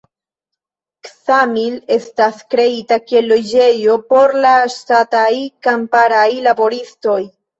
Ksamil estis kreita kiel loĝejo por la ŝtataj kamparaj laboristoj.